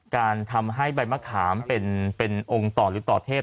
การทำให้ใบมะขามเป็นองค์ต่อหรือต่อเทพ